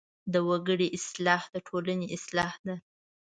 د وګړي اصلاح د ټولنې اصلاح ده.